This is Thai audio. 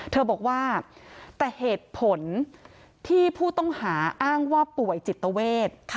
เธอบอกว่าแต่เหตุผลที่ผู้ต้องหาอ้างว่าป่วยจิตเวท